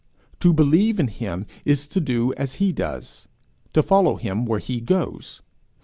To believe in him is to do as he does, to follow him where he goes.